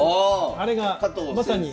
あれがまさに。